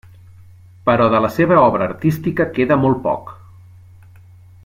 Però de la seva obra artística queda molt poc.